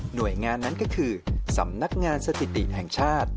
โดยงานนั้นก็คือสำนักงานสถิติแห่งชาติ